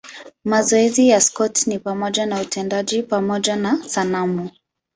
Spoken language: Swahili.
Mazoezi ya Scott ni pamoja na utendaji pamoja na sanamu.